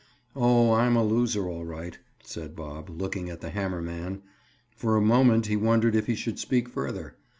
"Oh, I'm a loser all right," said Bob, looking at the hammer man. For a moment he wondered if he should speak further.